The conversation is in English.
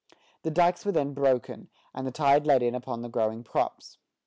The dikes were then broken, and the tide let in upon the growing crops.